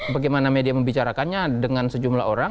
bagaimana media membicarakannya dengan sejumlah orang